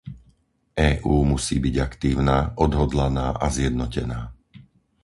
EÚ musí byť aktívna, odhodlaná a zjednotená.